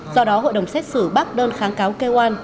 do đó hội đồng xét xử bác đơn kháng cáo kêu an